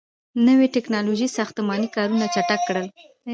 • نوي ټیکنالوژۍ ساختماني کارونه چټک کړل.